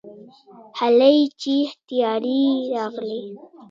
هلئ چې طيارې راغلې.